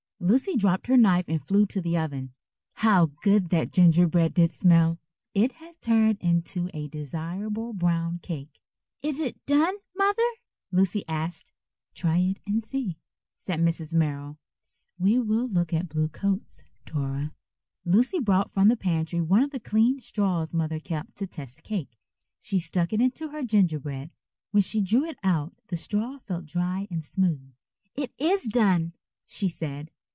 Lucy dropped her knife and flew to the oven. How good that gingerbread did smell! It had turned into a desirable brown cake. "Is it done, Mother?" Lucy asked. "Try it and see," said Mrs. Merrill. "We will look at the blue coats, Dora." Lucy brought from the pantry one of the clean straws Mother kept to test cake. She stuck it into her gingerbread. When she drew it out the straw felt dry and smooth. "It is done," she said.